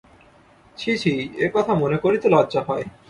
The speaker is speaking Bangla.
ছি ছি, এ কথা মনে করিতে লজ্জা হয়।